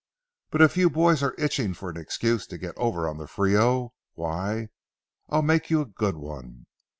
But if you boys are itching for an excuse to get over on the Frio, why, I'll make you a good one.